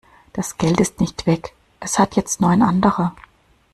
Das Geld ist nicht weg, es hat jetzt nur ein anderer.